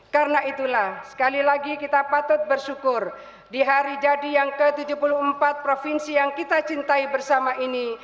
karena itulah sekali lagi kita patut bersyukur di hari jadi yang ke tujuh puluh empat provinsi yang kita cintai bersama ini